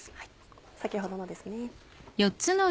先ほどのですね。